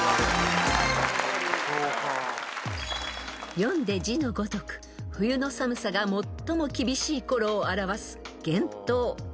［読んで字のごとく冬の寒さが最も厳しいころを表す］